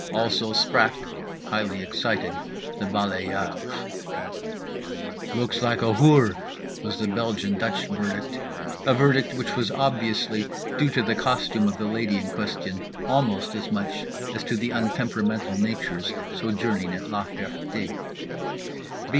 Also sprach, highly excited, the balayeur. "Looks like a—hoor," was the Belgian Dutch verdict, a verdict which was obviously due to the costume of the lady in question almost as much as to the untemperamental natures sojourning at La Ferté. B.